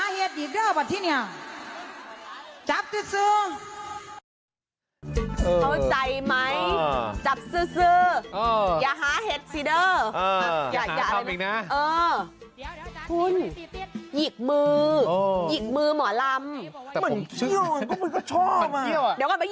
ยกมือยกมือหมอลลาม